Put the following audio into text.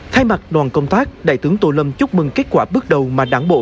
thay mặt đoàn công tác đại tướng tô lâm chúc mừng kết quả bước đầu mà đảng bộ